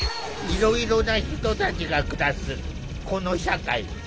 いろいろな人たちが暮らすこの社会。